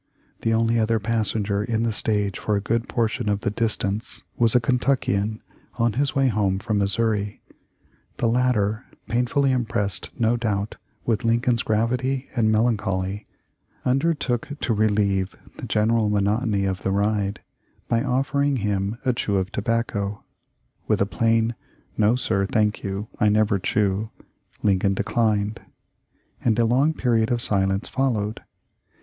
The only other passenger in the stage for a good portion of the distance was a Kentuckian, on his way home from Missouri. The latter, painfully impressed no doubt with Lincoln's gravity and melancholy, undertook to relieve the general monotony of the ride by offering him a chew of tobacco. With a plain "No, sir, thank you; I never chew," Lincoln declined, and a long period of silence followed.